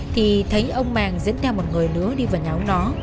thì thấy ông màng dẫn theo một người nữa đi vào nhà ông nó